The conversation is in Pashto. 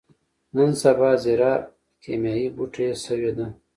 نن سبا ځيره کېميا بوټی شوې ده.